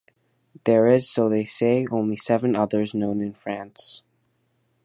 There is, so they say, only seven others known in France.